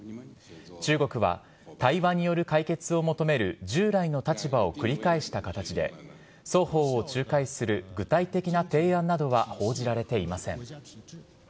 中国は、対話による解決を求める従来の立場を繰り返した形で、双方を仲介する具体的な提案などは報じられていません。